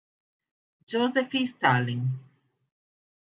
Josef Stalin